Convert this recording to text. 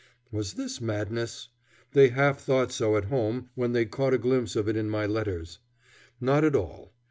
Was this madness? They half thought so at home when they caught a glimpse of it in my letters. Not at all.